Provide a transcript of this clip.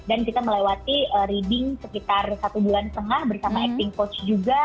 dan kita melewati reading sekitar satu bulan setengah bersama acting coach juga